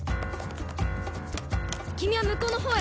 君はむこうの方へ。